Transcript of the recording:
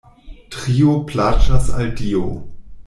Trio plaĉas al Dio.